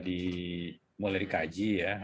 dimulai dikaji ya